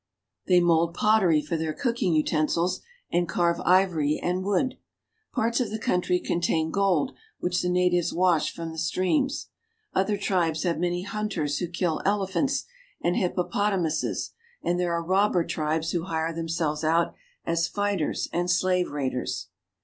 They mold pottery for their cooking utensils and carve ivory and wood. Parts of the country contain gold, which the natives wash from the streams. Other tribes have many hunters who kill elephants and hippopotamuses, and there are robber tribes who hire themselves out as fighters and slave raiders.